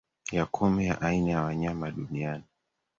ya kumi ya aina za wanyama duniani